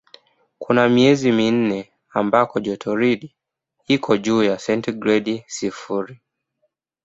Kuna miezi minne ambako jotoridi iko juu ya sentigredi sifuri.